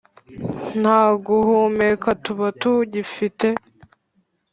nta guhumeka tuba tugifite,